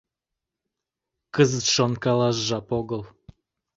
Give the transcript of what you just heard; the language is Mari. — Кызыт шонкалаш жап огыл!